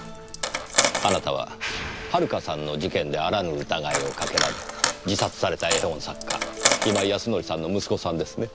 あなたは遥さんの事件であらぬ疑いをかけられ自殺された絵本作家今井康則さんの息子さんですね？